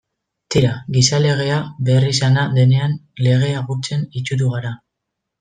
Tira, gizalegea beharrizana denean legea gurtzen itsutu gara.